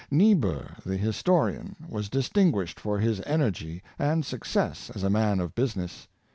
Niebuhr, the historian, was distinguished for his en ergy and success as a man of business.